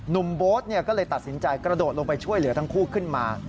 โบ๊ทก็เลยตัดสินใจกระโดดลงไปช่วยเหลือทั้งคู่ขึ้นมา